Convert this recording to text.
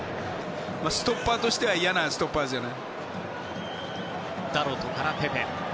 ストッパーとしては嫌なストッパーですよね。